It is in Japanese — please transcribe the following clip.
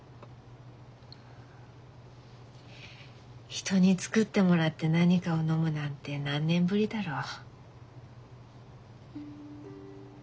人に作ってもらって何かを飲むなんて何年ぶりだろう。